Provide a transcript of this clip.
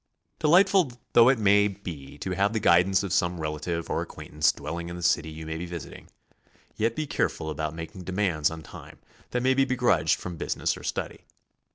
Delightful though it may be to have the guidance of some relative or acquaintance dwelling in the city you may be visiting, yet be careful about making demands on time that may be begrudged from business or study.